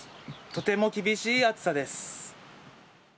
とても厳しい暑さです。